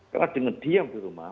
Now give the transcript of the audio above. karena dengan diam di rumah